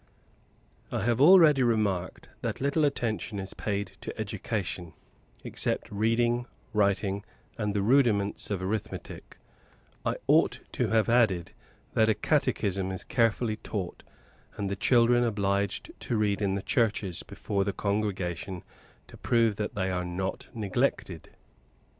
I have already remarked that little attention is paid to education, excepting reading, writing, and the rudiments of arithmetic; I ought to have added that a catechism is carefully taught, and the children obliged to read in the churches, before the congregation, to prove that they are not neglected.